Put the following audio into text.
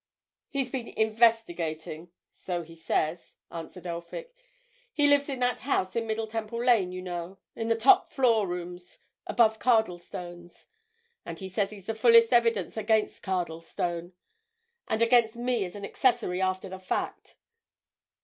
"He's been investigating—so he says," answered Elphick. "He lives in that house in Middle Temple Lane, you know, in the top floor rooms above Cardlestone's. And—and he says he's the fullest evidence against Cardlestone—and against me as an accessory after the fact."